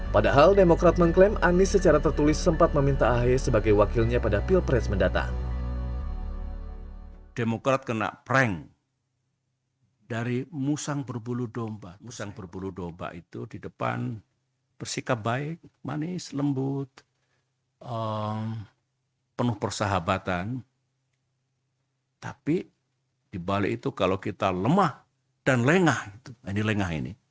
padahal demokrat mengklaim anies secara tertulis sempat meminta ahi sebagai wakilnya pada pilpres mendatang